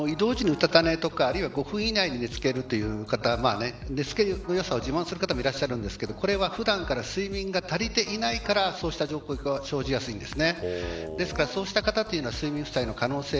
移動時にうたた寝とかあるいは５分以内に寝つけるという方寝付けのよさを自慢する方もいらっしゃるんですがこれは普段から睡眠が足りていないからそうした状況が生じやすいんです。